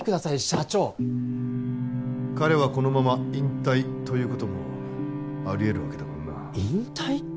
社長彼はこのまま引退ということもあり得るわけだからな引退？